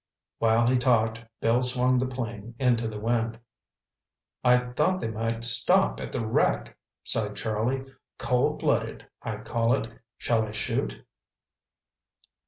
While he talked, Bill swung the plane into the wind. "I thought they might stop at the wreck," sighed Charlie. "Coldblooded, I call it. Shall I shoot?"